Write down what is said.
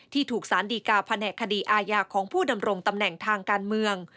ถูกสารดีกาแผนกคดีอาญาของผู้ดำรงตำแหน่งทางการเมือง